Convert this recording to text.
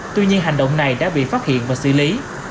tuy nhiên hành động này đã bị phát hiện và xử lý